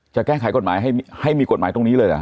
จะแก้ไขกฎหมายให้มีกฎหมายตรงนี้เลยเหรอ